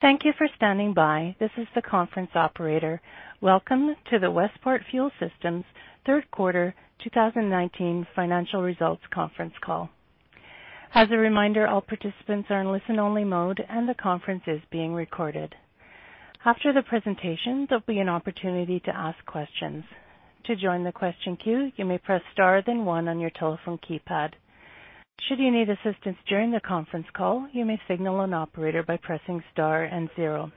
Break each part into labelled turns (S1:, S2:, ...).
S1: Thank you for standing by. This is the conference operator. Welcome to the Westport Fuel Systems third quarter 2019 financial results conference call. As a reminder, all participants are in listen-only mode, and the conference is being recorded. After the presentation, there'll be an opportunity to ask questions. To join the question queue, you may press star then one on your telephone keypad. Should you need assistance during the conference call, you may signal an operator by pressing star and zero.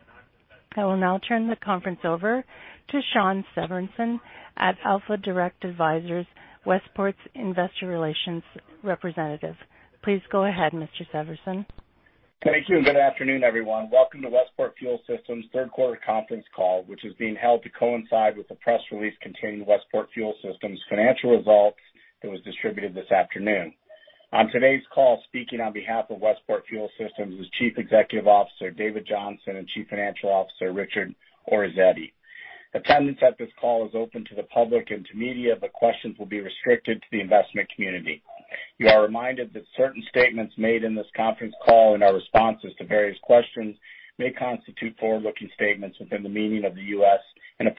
S1: I will now turn the conference over to Shawn Severson at alphaDIRECT Advisors, Westport's investor relations representative. Please go ahead, Mr. Severson.
S2: Thank you. Good afternoon, everyone. Welcome to Westport Fuel Systems third quarter conference call, which is being held to coincide with the press release containing Westport Fuel Systems financial results that was distributed this afternoon. On today's call, speaking on behalf of Westport Fuel Systems is Chief Executive Officer, David Johnson, and Chief Financial Officer, Richard Orazietti. Attendance at this call is open to the public and to media, but questions will be restricted to the investment community. You are reminded that certain statements made in this conference call, and our responses to various questions, may constitute forward-looking statements within the meaning of the U.S. and-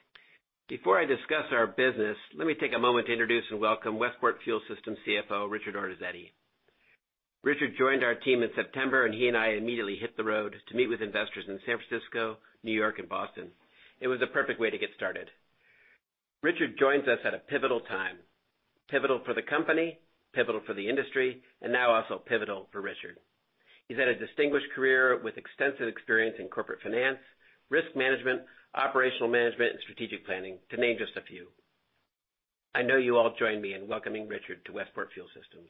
S3: Before I discuss our business, let me take a moment to introduce and welcome Westport Fuel Systems CFO, Richard Orazietti. Richard joined our team in September, and he and I immediately hit the road to meet with investors in San Francisco, New York, and Boston. It was a perfect way to get started. Richard joins us at a pivotal time, pivotal for the company, pivotal for the industry, and now also pivotal for Richard. He's had a distinguished career with extensive experience in corporate finance, risk management, operational management, and strategic planning, to name just a few. I know you all join me in welcoming Richard to Westport Fuel Systems.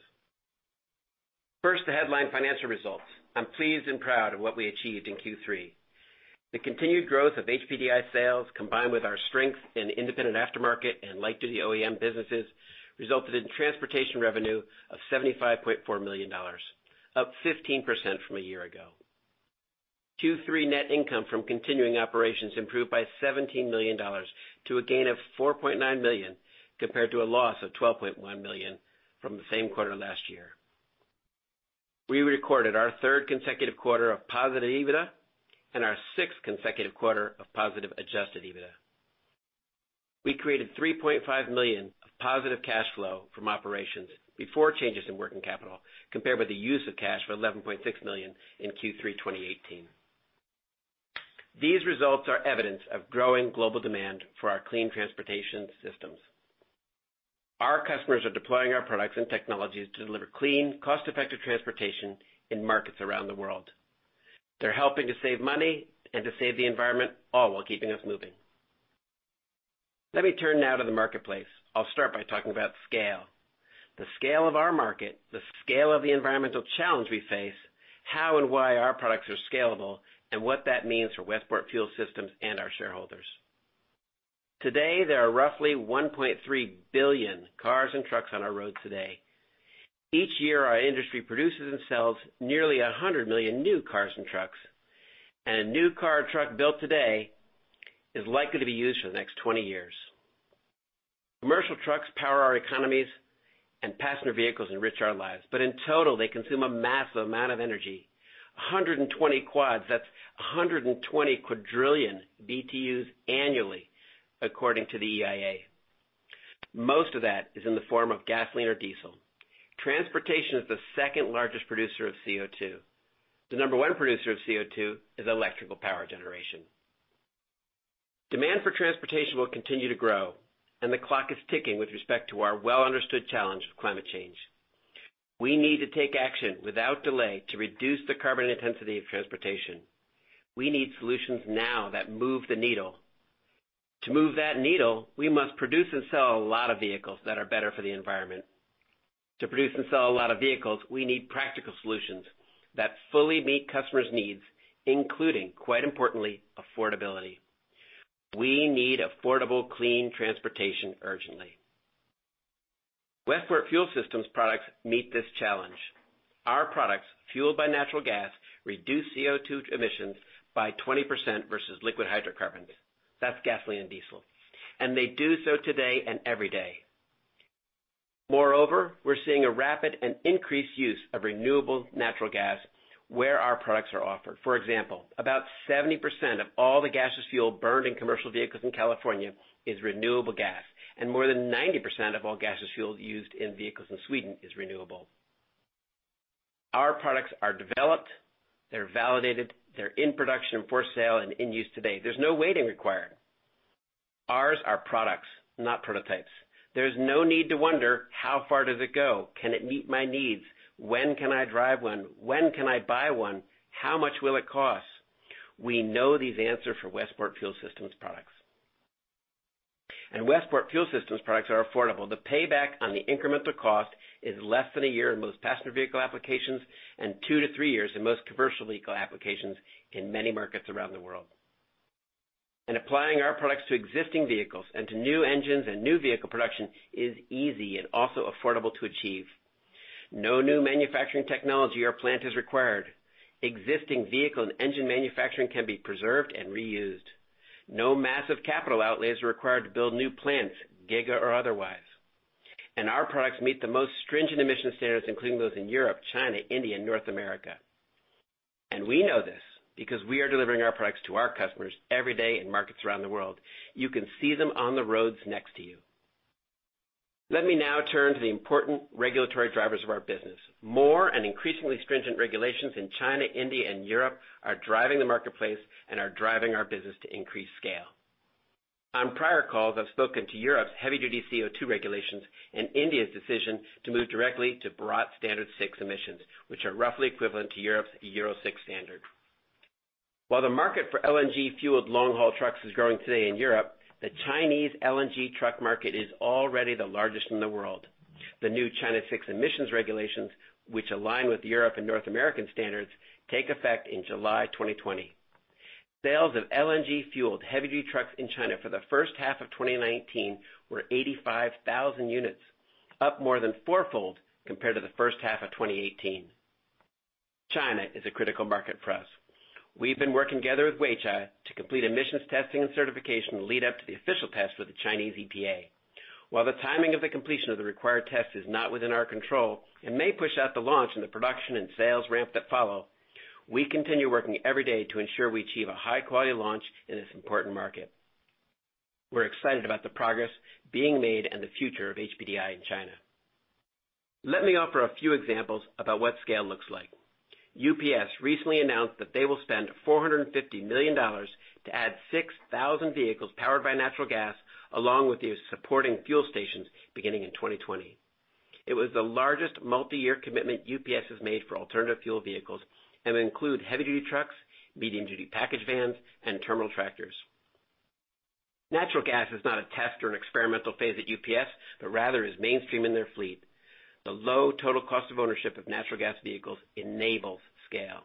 S3: First, the headline financial results. I'm pleased and proud of what we achieved in Q3. The continued growth of HPDI sales, combined with our strength in independent aftermarket and light-duty OEM businesses, resulted in transportation revenue of $75.4 million, up 15% from a year ago. Q3 net income from continuing operations improved by $17 million to a gain of $4.9 million, compared to a loss of $12.1 million from the same quarter last year. We recorded our third consecutive quarter of positive EBITDA and our sixth consecutive quarter of positive Adjusted EBITDA. We created $3.5 million of positive cash flow from operations before changes in working capital, compared with the use of cash for $11.6 million in Q3 2018. These results are evidence of growing global demand for our clean transportation systems. Our customers are deploying our products and technologies to deliver clean, cost-effective transportation in markets around the world. They're helping to save money and to save the environment, all while keeping us moving. Let me turn now to the marketplace. I'll start by talking about scale, the scale of our market, the scale of the environmental challenge we face, how and why our products are scalable, and what that means for Westport Fuel Systems and our shareholders. Today, there are roughly 1.3 billion cars and trucks on our road today. Each year, our industry produces and sells nearly 100 million new cars and trucks. A new car or truck built today is likely to be used for the next 20 years. Commercial trucks power our economies, and passenger vehicles enrich our lives, but in total, they consume a massive amount of energy, 120 quads. That's 120 quadrillion BTUs annually, according to the EIA. Most of that is in the form of gasoline or diesel. Transportation is the second-largest producer of CO2. The number one producer of CO2 is electrical power generation. Demand for transportation will continue to grow, and the clock is ticking with respect to our well-understood challenge of climate change. We need to take action without delay to reduce the carbon intensity of transportation. We need solutions now that move the needle. To move that needle, we must produce and sell a lot of vehicles that are better for the environment. To produce and sell a lot of vehicles, we need practical solutions that fully meet customers' needs, including, quite importantly, affordability. We need affordable, clean transportation urgently. Westport Fuel Systems products meet this challenge. Our products, fueled by natural gas, reduce CO2 emissions by 20% versus liquid hydrocarbons. That's gasoline and diesel. They do so today and every day. Moreover, we're seeing a rapid and increased use of renewable natural gas where our products are offered. For example, about 70% of all the gaseous fuel burned in commercial vehicles in California is renewable gas, and more than 90% of all gaseous fuel used in vehicles in Sweden is renewable. Our products are developed, they're validated, they're in production for sale, and in use today. There's no waiting required. Ours are products, not prototypes. There's no need to wonder, how far does it go? Can it meet my needs? When can I drive one? When can I buy one? How much will it cost? We know these answers for Westport Fuel Systems products. Westport Fuel Systems products are affordable. The payback on the incremental cost is less than a year in most passenger vehicle applications and two to three years in most commercial vehicle applications in many markets around the world. Applying our products to existing vehicles and to new engines and new vehicle production is easy and also affordable to achieve. No new manufacturing technology or plant is required. Existing vehicle and engine manufacturing can be preserved and reused. No massive capital outlays are required to build new plants, giga or otherwise. Our products meet the most stringent emission standards, including those in Europe, China, India, and North America. We know this because we are delivering our products to our customers every day in markets around the world. You can see them on the roads next to you. Let me now turn to the important regulatory drivers of our business. More and increasingly stringent regulations in China, India, and Europe are driving the marketplace and are driving our business to increase scale. On prior calls, I've spoken to Europe's heavy-duty CO2 regulations and India's decision to move directly to Bharat Stage VI emissions, which are roughly equivalent to Europe's Euro VI standard. While the market for LNG-fueled long-haul trucks is growing today in Europe, the Chinese LNG truck market is already the largest in the world. The new China VI emissions regulations, which align with Europe and North American standards, take effect in July 2020. Sales of LNG-fueled heavy-duty trucks in China for the first half of 2019 were 85,000 units, up more than fourfold compared to the first half of 2018. China is a critical market for us. We've been working together with Weichai to complete emissions testing and certification to lead up to the official test with the Chinese EPA. While the timing of the completion of the required test is not within our control and may push out the launch and the production and sales ramp that follow, we continue working every day to ensure we achieve a high-quality launch in this important market. We're excited about the progress being made and the future of HPDI in China. Let me offer a few examples about what scale looks like. UPS recently announced that they will spend $450 million to add 6,000 vehicles powered by natural gas, along with the supporting fuel stations beginning in 2020. It was the largest multi-year commitment UPS has made for alternative fuel vehicles and include heavy-duty trucks, medium-duty package vans, and terminal tractors. Natural gas is not a test or an experimental phase at UPS, but rather is mainstream in their fleet. The low total cost of ownership of natural gas vehicles enables scale.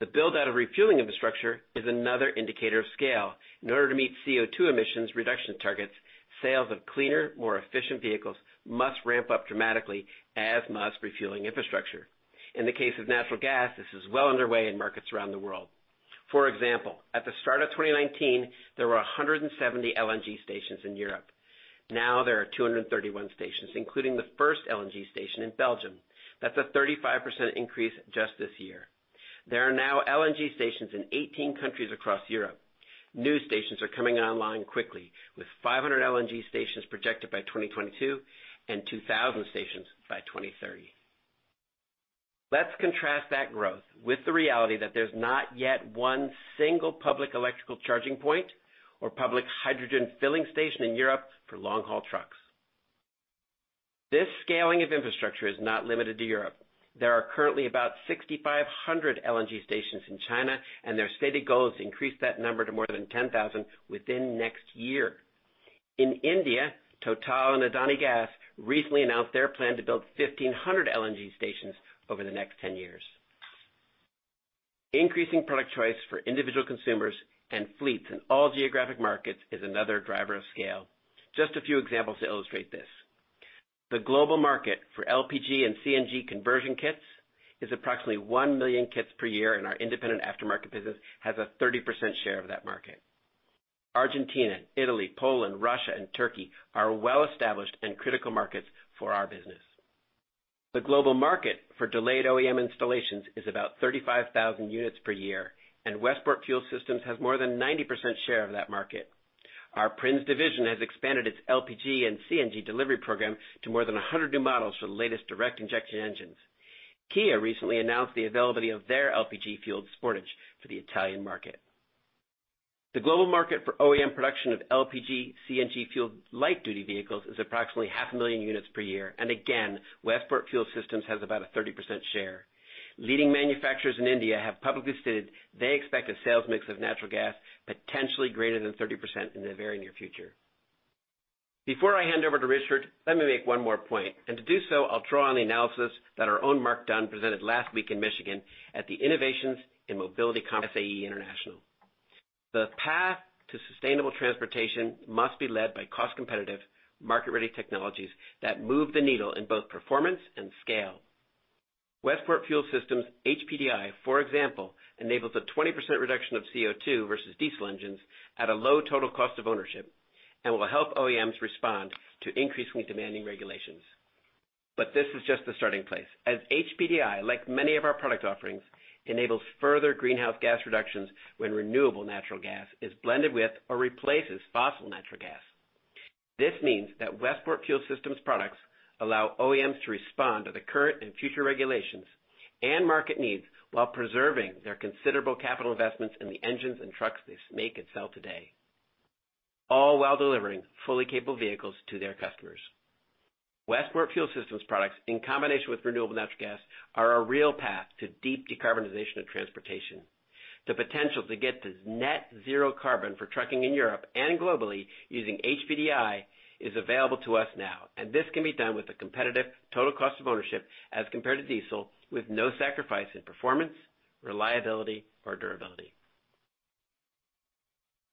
S3: The build-out of refueling infrastructure is another indicator of scale. In order to meet CO2 emissions reduction targets, sales of cleaner, more efficient vehicles must ramp up dramatically, as must refueling infrastructure. In the case of natural gas, this is well underway in markets around the world. For example, at the start of 2019, there were 170 LNG stations in Europe. Now there are 231 stations, including the first LNG station in Belgium. That's a 35% increase just this year. There are now LNG stations in 18 countries across Europe. New stations are coming online quickly, with 500 LNG stations projected by 2022 and 2,000 stations by 2030. Let's contrast that growth with the reality that there's not yet one single public electrical charging point or public hydrogen filling station in Europe for long-haul trucks. This scaling of infrastructure is not limited to Europe. There are currently about 6,500 LNG stations in China, and their stated goal is to increase that number to more than 10,000 within next year. In India, Total and Adani Gas recently announced their plan to build 1,500 LNG stations over the next 10 years. Increasing product choice for individual consumers and fleets in all geographic markets is another driver of scale. Just a few examples to illustrate this. The global market for LPG and CNG conversion kits is approximately 1 million kits per year, and our independent aftermarket business has a 30% share of that market. Argentina, Italy, Poland, Russia, and Turkey are well-established and critical markets for our business. The global market for delayed OEM installations is about 35,000 units per year, and Westport Fuel Systems has more than 90% share of that market. Our Prins division has expanded its LPG and CNG delivery program to more than 100 new models for the latest direct injection engines. Kia recently announced the availability of their LPG fuel Sportage for the Italian market. The global market for OEM production of LPG, CNG fuel light-duty vehicles is approximately half a million units per year. Again, Westport Fuel Systems has about a 30% share. Leading manufacturers in India have publicly stated they expect a sales mix of natural gas potentially greater than 30% in the very near future. Before I hand over to Richard, let me make one more point. To do so, I'll draw on the analysis that our own Mark Dunn presented last week in Michigan at the Innovations in Mobility Conference at SAE International. The path to sustainable transportation must be led by cost-competitive, market-ready technologies that move the needle in both performance and scale. Westport Fuel Systems' HPDI, for example, enables a 20% reduction of CO2 versus diesel engines at a low total cost of ownership and will help OEMs respond to increasingly demanding regulations. This is just the starting place. HPDI, like many of our product offerings, enables further greenhouse gas reductions when renewable natural gas is blended with or replaces fossil natural gas. This means that Westport Fuel Systems products allow OEMs to respond to the current and future regulations and market needs while preserving their considerable capital investments in the engines and trucks they make and sell today, all while delivering fully capable vehicles to their customers. Westport Fuel Systems products, in combination with renewable natural gas, are a real path to deep decarbonization of transportation. The potential to get to net zero carbon for trucking in Europe and globally using HPDI is available to us now, and this can be done with a competitive total cost of ownership as compared to diesel with no sacrifice in performance, reliability, or durability.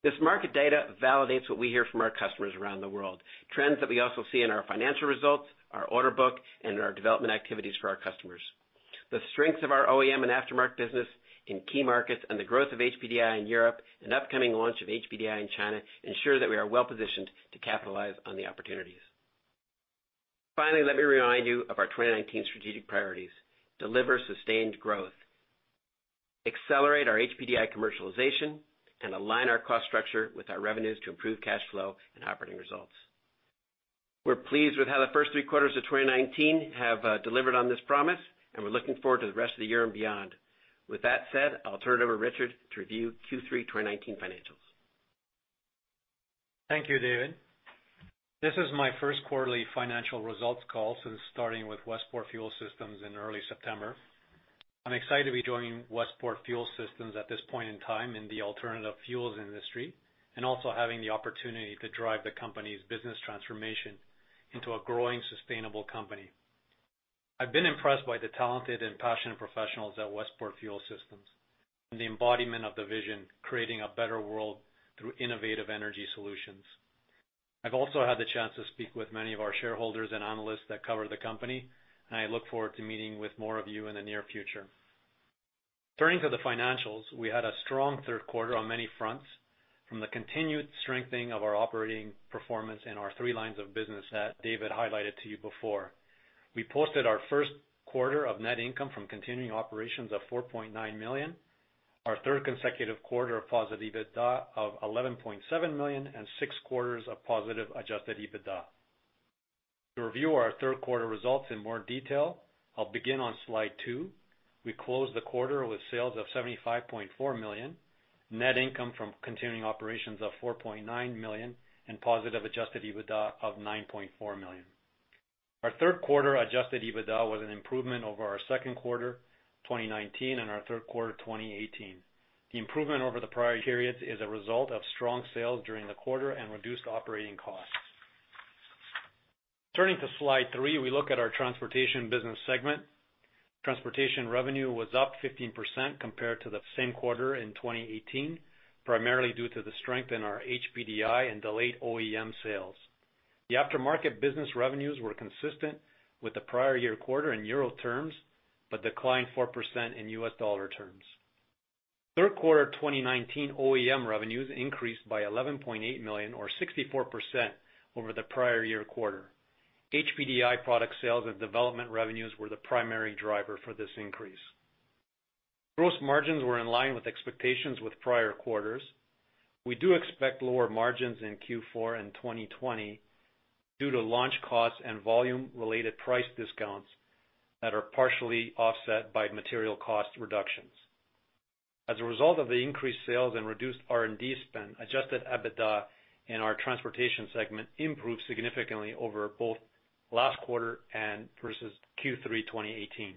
S3: This market data validates what we hear from our customers around the world, trends that we also see in our financial results, our order book, and in our development activities for our customers. The strengths of our OEM and aftermarket business in key markets, and the growth of HPDI in Europe, and upcoming launch of HPDI in China ensure that we are well-positioned to capitalize on the opportunities. Finally, let me remind you of our 2019 strategic priorities: deliver sustained growth, accelerate our HPDI commercialization, and align our cost structure with our revenues to improve cash flow and operating results. We're pleased with how the first three quarters of 2019 have delivered on this promise. We're looking forward to the rest of the year and beyond. With that said, I'll turn it over Richard to review Q3 2019 financials.
S4: Thank you, David. This is my first quarterly financial results call since starting with Westport Fuel Systems in early September. I'm excited to be joining Westport Fuel Systems at this point in time in the alternative fuels industry, and also having the opportunity to drive the company's business transformation into a growing sustainable company. I've been impressed by the talented and passionate professionals at Westport Fuel Systems and the embodiment of the vision, creating a better world through innovative energy solutions. I've also had the chance to speak with many of our shareholders and analysts that cover the company, and I look forward to meeting with more of you in the near future. Turning to the financials, we had a strong third quarter on many fronts, from the continued strengthening of our operating performance in our three lines of business that David highlighted to you before. We posted our first quarter of net income from continuing operations of $4.9 million, our third consecutive quarter of positive EBITDA of $11.7 million, and six quarters of positive Adjusted EBITDA. To review our third quarter results in more detail, I'll begin on slide two. We closed the quarter with sales of $75.4 million, net income from continuing operations of $4.9 million and positive Adjusted EBITDA of $9.4 million. Our third quarter Adjusted EBITDA was an improvement over our second quarter 2019 and our third quarter 2018. The improvement over the prior periods is a result of strong sales during the quarter and reduced operating costs. Turning to slide three, we look at our transportation business segment. Transportation revenue was up 15% compared to the same quarter in 2018, primarily due to the strength in our HPDI and delayed OEM sales. The aftermarket business revenues were consistent with the prior year quarter in EUR terms, but declined 4% in USD terms. Third quarter 2019 OEM revenues increased by $11.8 million or 64% over the prior year quarter. HPDI product sales and development revenues were the primary driver for this increase. Gross margins were in line with expectations with prior quarters. We do expect lower margins in Q4 and 2020 due to launch costs and volume related price discounts that are partially offset by material cost reductions. As a result of the increased sales and reduced R&D spend, Adjusted EBITDA in our transportation segment improved significantly over both last quarter and versus Q3 2018.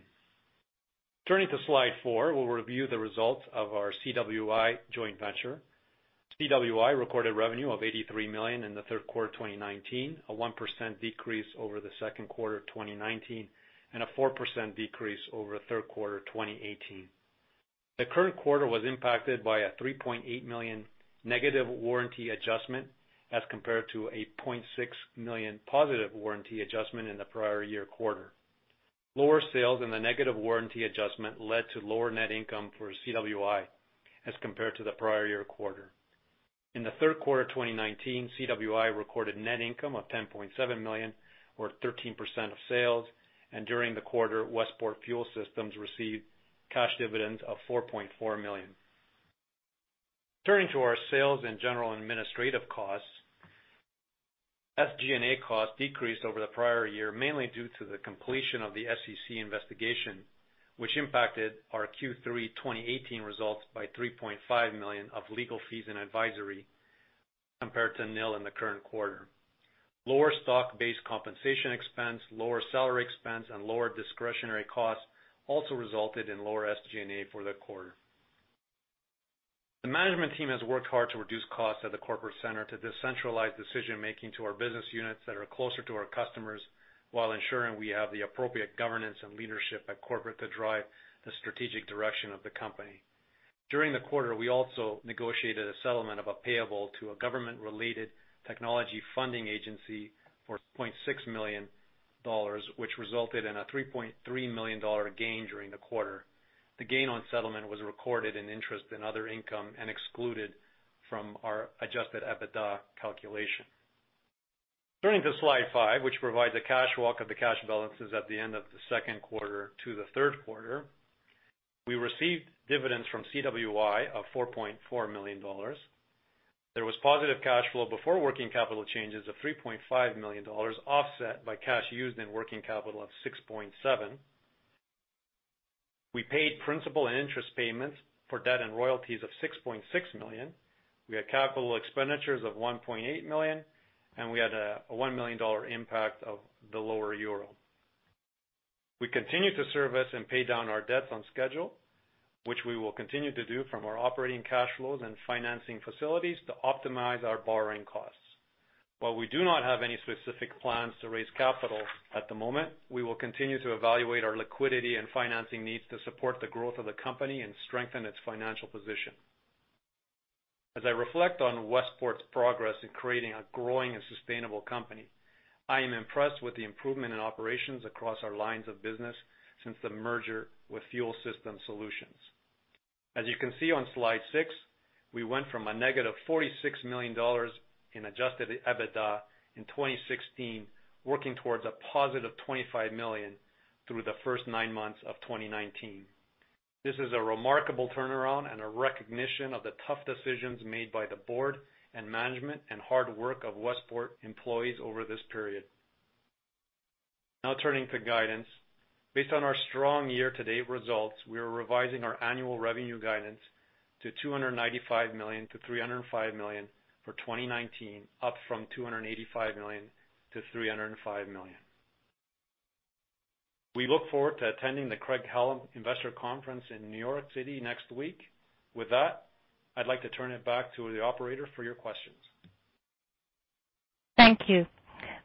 S4: Turning to slide four, we'll review the results of our CWI joint venture. CWI recorded revenue of $83 million in the third quarter 2019, a 1% decrease over the second quarter 2019, and a 4% decrease over third quarter 2018. The current quarter was impacted by a $3.8 million negative warranty adjustment as compared to a $0.6 million positive warranty adjustment in the prior year quarter. Lower sales and the negative warranty adjustment led to lower net income for CWI as compared to the prior year quarter. In the third quarter 2019, CWI recorded net income of $10.7 million or 13% of sales, and during the quarter, Westport Fuel Systems received cash dividends of $4.4 million. Turning to our sales and general administrative costs. SG&A costs decreased over the prior year, mainly due to the completion of the SEC investigation, which impacted our Q3 2018 results by $3.5 million of legal fees and advisory compared to nil in the current quarter. Lower stock-based compensation expense, lower salary expense, and lower discretionary costs also resulted in lower SG&A for the quarter. The management team has worked hard to reduce costs at the corporate center to decentralize decision making to our business units that are closer to our customers while ensuring we have the appropriate governance and leadership at corporate to drive the strategic direction of the company. During the quarter, we also negotiated a settlement of a payable to a government related technology funding agency for $6.6 million, which resulted in a $3.3 million gain during the quarter. The gain on settlement was recorded in interest and other income and excluded from our Adjusted EBITDA calculation. Turning to slide five, which provides a cash walk of the cash balances at the end of the second quarter to the third quarter. We received dividends from CWI of $4.4 million. There was positive cash flow before working capital changes of $3.5 million, offset by cash used in working capital of $6.7. We paid principal and interest payments for debt and royalties of $6.6 million. We had capital expenditures of $1.8 million, and we had a $1 million impact of the lower EUR. We continue to service and pay down our debts on schedule, which we will continue to do from our operating cash flows and financing facilities to optimize our borrowing costs. While we do not have any specific plans to raise capital at the moment, we will continue to evaluate our liquidity and financing needs to support the growth of the company and strengthen its financial position. As I reflect on Westport's progress in creating a growing and sustainable company, I am impressed with the improvement in operations across our lines of business since the merger with Fuel Systems Solutions. As you can see on slide six, we went from -$46 million in adjusted EBITDA in 2016, working towards +$25 million through the first nine months of 2019. This is a remarkable turnaround and a recognition of the tough decisions made by the board and management, and hard work of Westport employees over this period. Now, turning to guidance. Based on our strong year-to-date results, we are revising our annual revenue guidance to $295 million-$305 million for 2019, up from $285 million-$305 million. We look forward to attending the Craig-Hallum Investor Conference in New York City next week. With that, I'd like to turn it back to the operator for your questions.
S1: Thank you.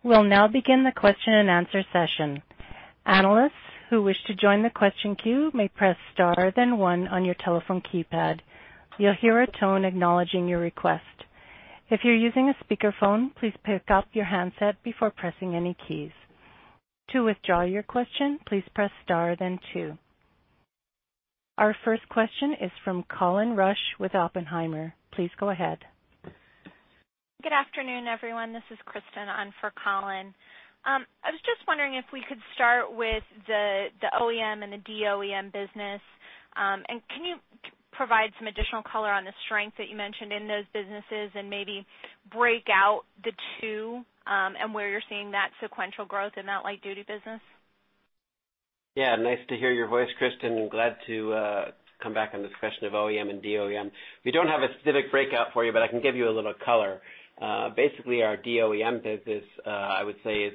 S1: We'll now begin the question-and-answer session. Analysts who wish to join the question queue may press star then one on your telephone keypad. You'll hear a tone acknowledging your request. If you're using a speakerphone, please pick up your handset before pressing any keys. To withdraw your question, please press star then two. Our first question is from Colin Rusch with Oppenheimer. Please go ahead.
S5: Good afternoon, everyone. This is Kristen on for Colin. I was just wondering if we could start with the OEM and the DOEM business. Can you provide some additional color on the strength that you mentioned in those businesses and maybe break out the two, and where you're seeing that sequential growth in that light duty business?
S3: Yeah. Nice to hear your voice, Kristen. Glad to come back on this question of OEM and DOEM. We don't have a specific breakout for you, but I can give you a little color. Basically, our DOEM business, I would say is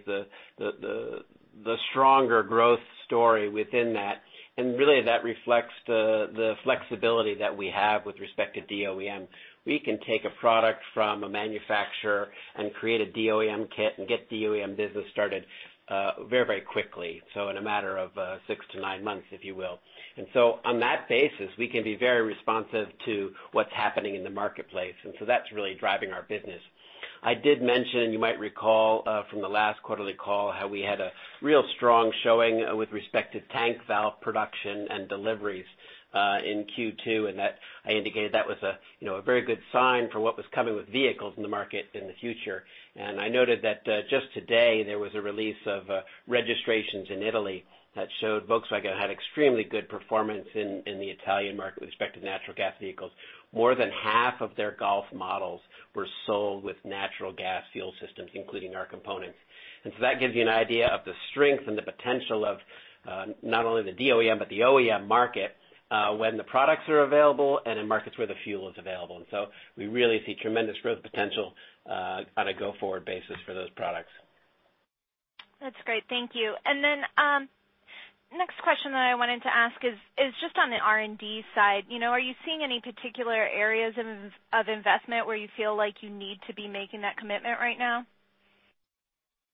S3: the stronger growth story within that. Really, that reflects the flexibility that we have with respect to DOEM. We can take a product from a manufacturer and create a DOEM kit and get DOEM business started very quickly, so in a matter of six to nine months, if you will. On that basis, we can be very responsive to what's happening in the marketplace, and so that's really driving our business. I did mention, you might recall from the last quarterly call, how we had a real strong showing with respect to tank valve production and deliveries in Q2. I indicated that was a very good sign for what was coming with vehicles in the market in the future. I noted that just today, there was a release of registrations in Italy that showed Volkswagen had extremely good performance in the Italian market with respect to natural gas vehicles. More than half of their Golf models were sold with natural gas fuel systems, including our components. That gives you an idea of the strength and the potential of not only the DOEM, but the OEM market, when the products are available and in markets where the fuel is available. We really see tremendous growth potential on a go-forward basis for those products.
S5: That's great. Thank you. Next question that I wanted to ask is just on the R&D side. Are you seeing any particular areas of investment where you feel like you need to be making that commitment right now?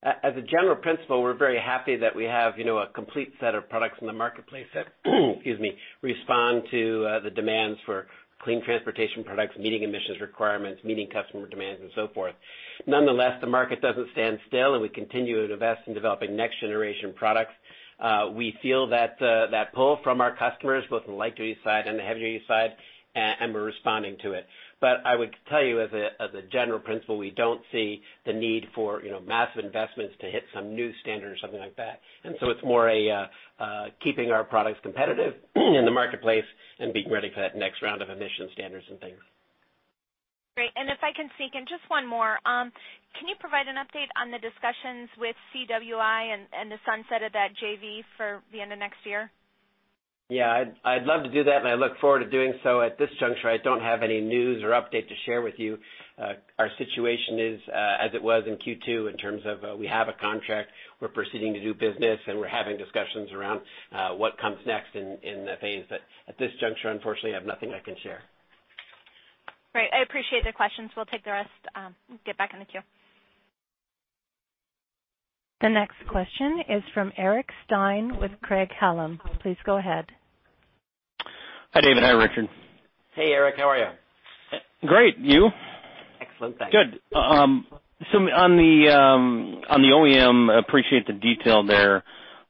S3: As a general principle, we're very happy that we have a complete set of products in the marketplace that excuse me, respond to the demands for clean transportation products, meeting emissions requirements, meeting customer demands and so forth. The market doesn't stand still, we continue to invest in developing next generation products. We feel that pull from our customers, both in the light duty side and the heavy duty side, we're responding to it. I would tell you as a general principle, we don't see the need for massive investments to hit some new standard or something like that. It's more a keeping our products competitive in the marketplace and being ready for that next round of emission standards and things.
S5: Great. If I can sneak in just one more. Can you provide an update on the discussions with CWI and the sunset of that JV for the end of next year?
S3: I'd love to do that, and I look forward to doing so. At this juncture, I don't have any news or update to share with you. Our situation is as it was in Q2 in terms of we have a contract, we're proceeding to do business, and we're having discussions around what comes next in the phase. At this juncture, unfortunately, I have nothing I can share.
S5: Great. I appreciate the questions. We'll take the rest, get back in the queue.
S1: The next question is from Eric Stine with Craig-Hallum. Please go ahead.
S6: Hi, David. Hi, Richard.
S3: Hey, Eric. How are you?
S6: Great. You?
S3: Excellent, thanks.
S6: On the OEM, appreciate the detail there.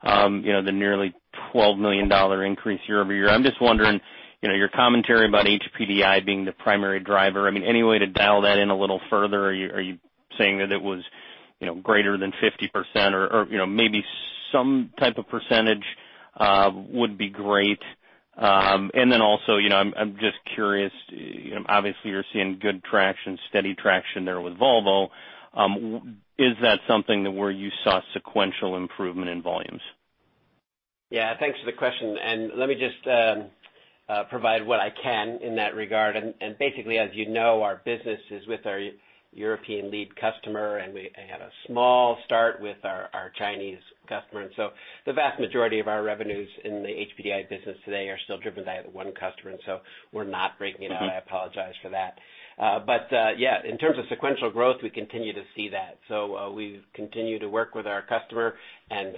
S6: The nearly $12 million increase year-over-year. I'm just wondering, your commentary about HPDI being the primary driver, any way to dial that in a little further? Are you saying that it was greater than 50% or maybe some type of percentage would be great. Then also, I'm just curious, obviously you're seeing good traction, steady traction there with Volvo. Is that something where you saw sequential improvement in volumes?
S3: Yeah. Thanks for the question. Let me just provide what I can in that regard. Basically, as you know, our business is with our European lead customer. We had a small start with our Chinese customer. The vast majority of our revenues in the HPDI business today are still driven by the one customer, and so we're not breaking it out. I apologize for that. Yeah, in terms of sequential growth, we continue to see that. We continue to work with our customer, and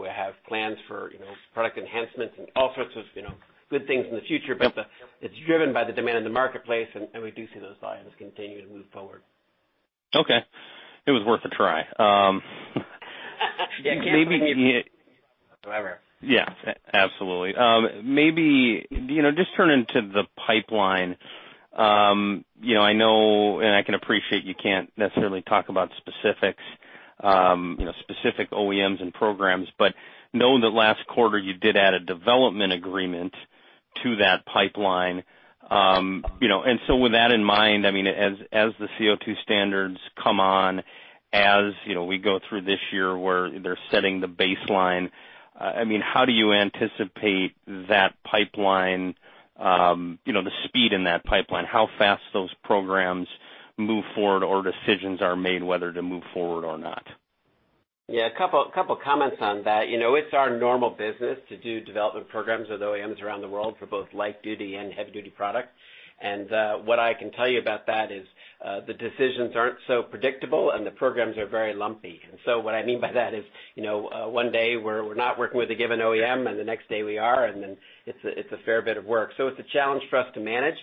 S3: we have plans for product enhancements and all sorts of good things in the future, but it's driven by the demand in the marketplace, and we do see those volumes continue to move forward.
S6: Okay. It was worth a try.
S3: You can't predict the future, however.
S6: Yeah, absolutely. Maybe just turning to the pipeline. I know I can appreciate you can't necessarily talk about specifics, specific OEMs and programs, but knowing that last quarter you did add a development agreement to that pipeline. With that in mind, as the CO2 standards come on, as we go through this year where they're setting the baseline, how do you anticipate that pipeline, the speed in that pipeline? How fast those programs move forward or decisions are made whether to move forward or not?
S3: A couple of comments on that. It's our normal business to do development programs with OEMs around the world for both light-duty and heavy-duty products. What I can tell you about that is, the decisions aren't so predictable and the programs are very lumpy. What I mean by that is, one day we're not working with a given OEM, and the next day we are, and then it's a fair bit of work. It's a challenge for us to manage.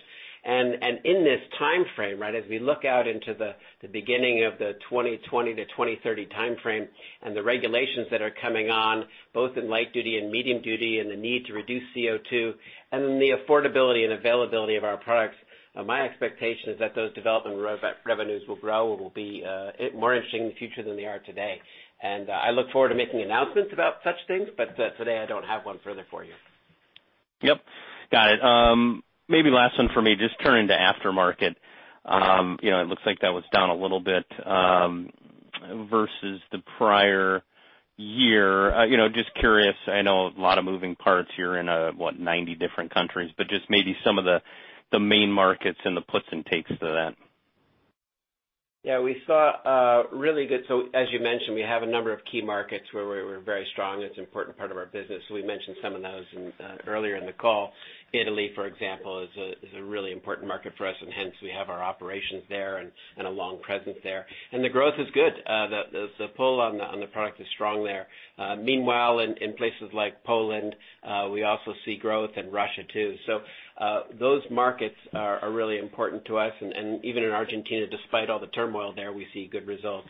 S3: In this timeframe, as we look out into the beginning of the 2020 to 2030 timeframe and the regulations that are coming on, both in light duty and medium duty, and the need to reduce CO2, and then the affordability and availability of our products, my expectation is that those development revenues will grow and will be more interesting in the future than they are today. I look forward to making announcements about such things, but, today I don't have one further for you.
S6: Yep. Got it. Maybe last one for me, just turning to aftermarket. It looks like that was down a little bit, versus the prior year. Just curious, I know a lot of moving parts, you're in what, 90 different countries, but just maybe some of the main markets and the puts and takes to that.
S3: Yeah, as you mentioned, we have a number of key markets where we're very strong, and it's an important part of our business. We mentioned some of those earlier in the call. Italy, for example, is a really important market for us, and hence we have our operations there and a long presence there. The growth is good. The pull on the product is strong there. Meanwhile, in places like Poland, we also see growth, and Russia too. Those markets are really important to us. Even in Argentina, despite all the turmoil there, we see good results.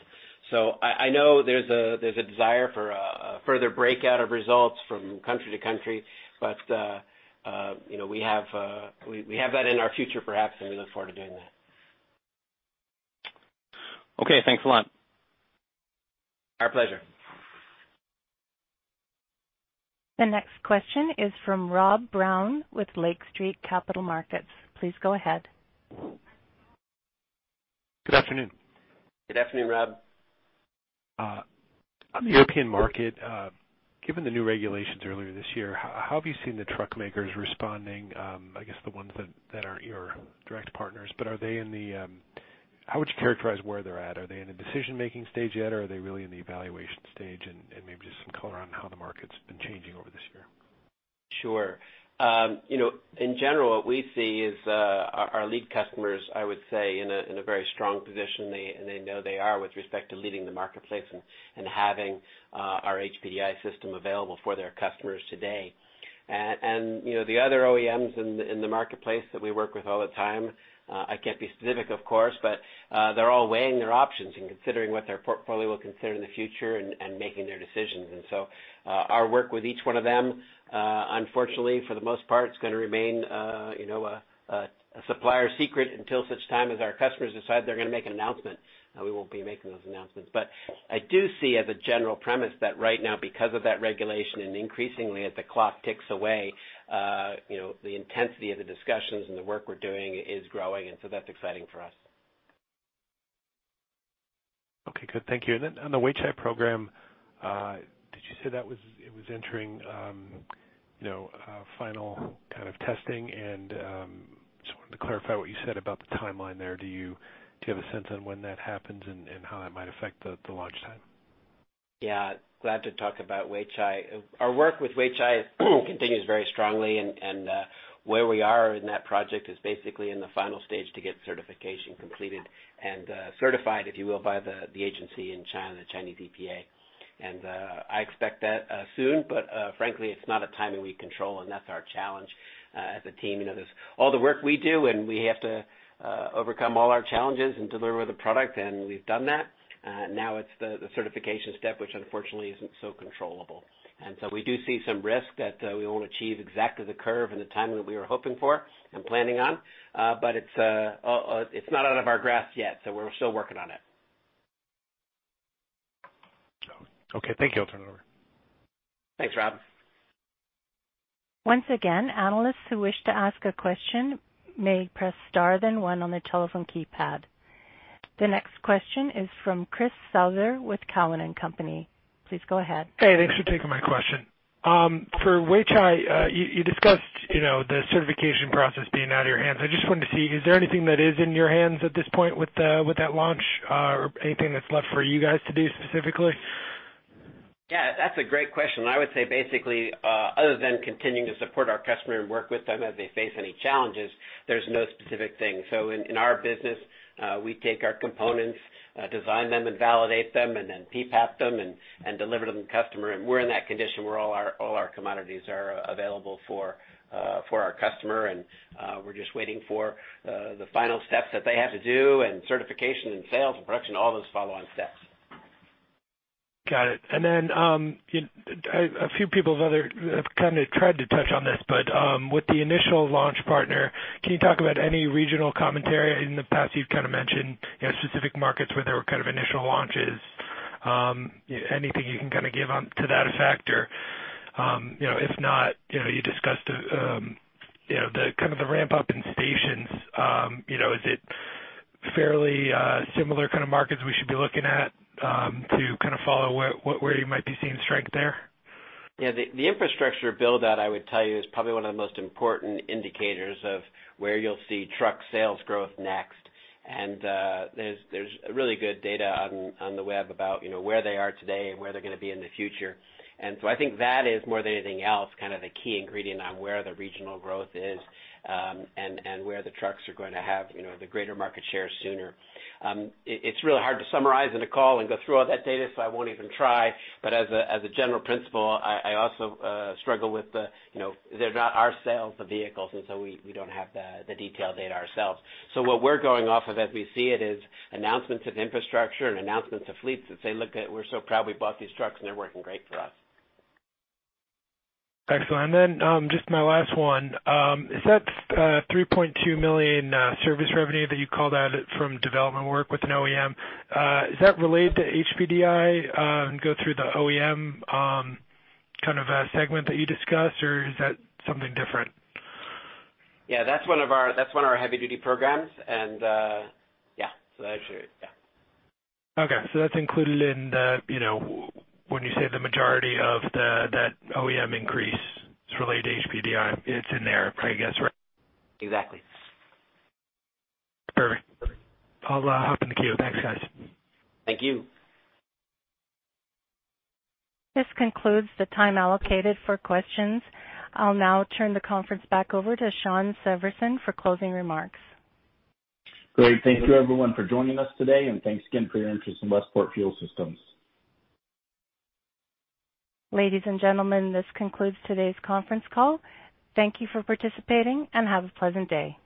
S3: I know there's a desire for a further breakout of results from country to country, but we have that in our future, perhaps, and we look forward to doing that.
S6: Okay, thanks a lot.
S3: Our pleasure.
S1: The next question is from Rob Brown with Lake Street Capital Markets. Please go ahead.
S7: Good afternoon.
S3: Good afternoon, Rob.
S7: On the European market, given the new regulations earlier this year, how have you seen the truck makers responding? I guess the ones that aren't your direct partners, but how would you characterize where they're at? Are they in a decision-making stage yet, or are they really in the evaluation stage? Maybe just some color on how the market's been changing over this year.
S3: Sure. In general, what we see is our lead customers, I would say, in a very strong position. They know they are with respect to leading the marketplace and having our HPDI system available for their customers today. The other OEMs in the marketplace that we work with all the time, I can't be specific, of course, but they're all weighing their options and considering what their portfolio will consider in the future and making their decisions. Our work with each one of them, unfortunately, for the most part, is going to remain a supplier secret until such time as our customers decide they're going to make an announcement. We won't be making those announcements. I do see as a general premise that right now, because of that regulation and increasingly as the clock ticks away, the intensity of the discussions and the work we're doing is growing. That's exciting for us.
S7: Okay, good. Thank you. Then on the Weichai program, did you say that it was entering final kind of testing? Just wanted to clarify what you said about the timeline there. Do you have a sense on when that happens and how it might affect the launch time?
S3: Yeah. Glad to talk about Weichai. Our work with Weichai continues very strongly and where we are in that project is basically in the final stage to get certification completed and certified, if you will, by the agency in China, the Chinese EPA. I expect that soon, but frankly, it's not a timing we control and that's our challenge as a team. There's all the work we do, and we have to overcome all our challenges and deliver the product, and we've done that. Now it's the certification step, which unfortunately isn't so controllable. We do see some risk that we won't achieve exactly the curve and the timing that we were hoping for and planning on. It's not out of our grasp yet, so we're still working on it.
S7: Okay, thank you. I'll turn it over.
S3: Thanks, Rob.
S1: Once again, analysts who wish to ask a question may press star then one on the telephone keypad. The next question is from Chris Souther with Cowen and Company. Please go ahead.
S8: Hey, thanks for taking my question. For Weichai, you discussed the certification process being out of your hands. I just wanted to see, is there anything that is in your hands at this point with that launch or anything that's left for you guys to do specifically?
S3: Yeah, that's a great question. I would say basically, other than continuing to support our customer and work with them as they face any challenges, there's no specific thing. In our business, we take our components, design them and validate them, and then PPAP them and deliver them to the customer. We're in that condition where all our commodities are available for our customer and we're just waiting for the final steps that they have to do and certification and sales and production, all those follow-on steps.
S8: Got it. Then a few people have tried to touch on this, but with the initial launch partner, can you talk about any regional commentary? In the past you've mentioned specific markets where there were initial launches. Anything you can give to that effect? If not, you discussed the ramp-up in stations. Is it fairly similar kind of markets we should be looking at to follow where you might be seeing strength there?
S3: Yeah. The infrastructure build out, I would tell you, is probably one of the most important indicators of where you'll see truck sales growth next. There's really good data on the web about where they are today and where they're going to be in the future. I think that is, more than anything else, the key ingredient on where the regional growth is and where the trucks are going to have the greater market share sooner. It's really hard to summarize in a call and go through all that data, so I won't even try, but as a general principle, I also struggle with the, they're not our sales, the vehicles, and so we don't have the detailed data ourselves. What we're going off of as we see it is announcements of infrastructure and announcements of fleets that say, "Look, we're so proud we bought these trucks, and they're working great for us.
S8: Excellent. Just my last one, is that $3.2 million service revenue that you called out from development work with an OEM, is that related to HPDI and go through the OEM segment that you discussed, or is that something different?
S3: Yeah, that's one of our heavy-duty programs, and yeah. Yeah.
S8: That's included in the, when you say the majority of that OEM increase is related to HPDI, it's in there, I guess, right?
S3: Exactly.
S8: Perfect. I'll hop in the queue. Thanks, guys.
S3: Thank you.
S1: This concludes the time allocated for questions. I'll now turn the conference back over to Shawn Severson for closing remarks.
S2: Great. Thank you everyone for joining us today, and thanks again for your interest in Westport Fuel Systems.
S1: Ladies and gentlemen, this concludes today's conference call. Thank you for participating, and have a pleasant day.